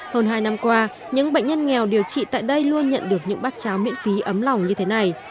hơn hai năm qua những bệnh nhân nghèo điều trị tại đây luôn nhận được những bát cháo miễn phí ấm lòng như thế này